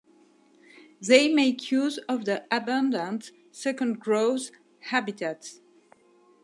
They make use of the abundant second growth habitats.